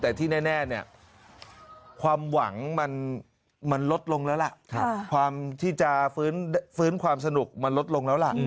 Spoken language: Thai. แต่ที่แน่เนี่ยความหวังมันลดลงแล้วล่ะความที่จะฟื้นความสนุกมันลดลงแล้วล่ะ